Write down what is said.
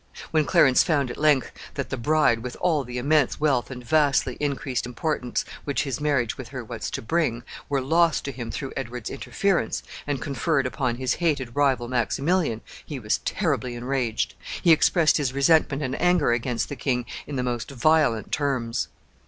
When Clarence found at length that the bride, with all the immense wealth and vastly increased importance which his marriage with her was to bring, were lost to him through Edward's interference, and conferred upon his hated rival Maximilian, he was terribly enraged. He expressed his resentment and anger against the king in the most violent terms.